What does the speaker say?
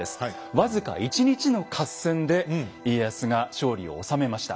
僅か１日の合戦で家康が勝利をおさめました。